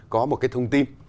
có một cái thông tin